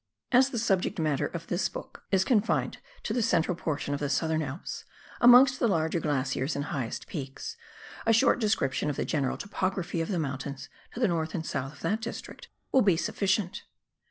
As the subject matter of this book is confined to the central portion of the Southern Alps, amongst the larger glaciers and highest peaks, a short description of the general topography of the mountains to the north and south of that district will be sufiicient.